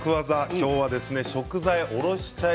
今日は食材おろしちゃえ